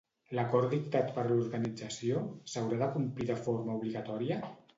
L'acord dictat per l'organització, s'haurà de complir de forma obligatòria?